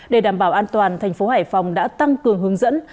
để đảm bảo an toàn thành phố hải phòng đã tăng cường hướng dẫn